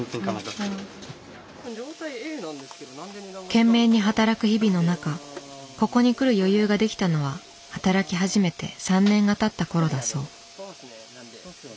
懸命に働く日々の中ここに来る余裕が出来たのは働き始めて３年がたったころだそう。